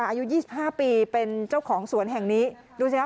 อายุยี่สิบห้าปีเป็นเจ้าของสวนแห่งนี้ดูสิค่ะ